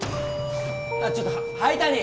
ちょっと灰谷！